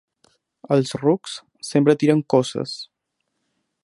Els rucs sempre tiren coces.